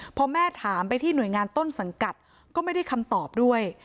พอแม่ถามไปที่หน่วยงานต้นสังกัดก็ไม่ได้คำตอบด้วย